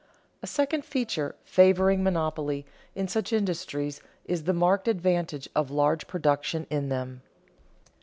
_A second feature favoring monopoly in such industries is the marked advantage of large production in them.